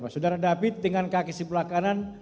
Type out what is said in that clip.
saudara david dengan kaki sebelah kanan